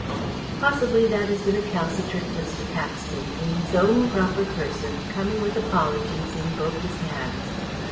"Possibly that is the recalcitrant Mr. Paxton, in his own proper person, coming with apologies in both his hands.